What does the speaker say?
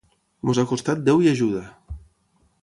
Ens ha costat Déu i ajuda!